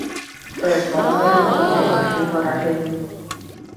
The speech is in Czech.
To je kolonialismus nejhoršího ražení.